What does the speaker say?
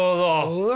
うわ。